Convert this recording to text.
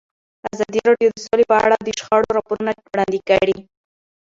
ازادي راډیو د سوله په اړه د شخړو راپورونه وړاندې کړي.